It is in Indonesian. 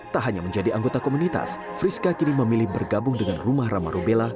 tak hanya menjadi anggota komunitas friska kini memilih bergabung dengan rumah ramah rubella